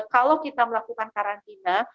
kalau kita melakukan karantina